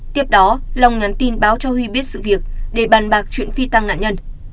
tiếp đó long nhắn tin báo cho huy biết sự việc để bàn bạc chuyện phi tăng nạn nhân